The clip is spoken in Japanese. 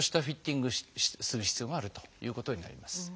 フィッティングする必要があるということになります。